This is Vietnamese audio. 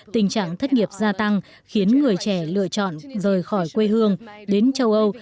tình trạng thất nghiệp gia tăng khiến người trẻ lựa chọn rời khỏi quê hương đến châu âu